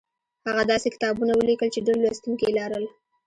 هغه داسې کتابونه ولیکل چې ډېر لوستونکي یې لرل